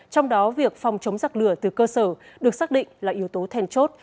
trong đó việc phòng chống giặc lửa từ cơ sở được xác định là yếu tố thèn chốt